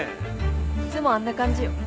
いつもあんな感じよ。